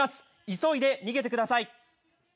急いで逃げてください。